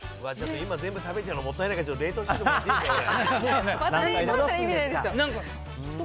今、ちょっと全部食べちゃうのもったいないから冷凍しておいてもらっていいですか、これ。